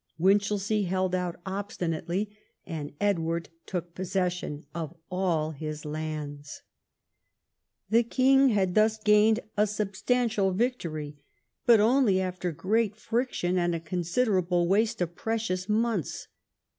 Winchelsea held out obstinately, and Edward took possession of all his lands. The king had thus gained a substantial victory, but only after great friction and a considerable waste of precious months.